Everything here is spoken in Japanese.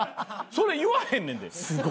それ言わへんねんで。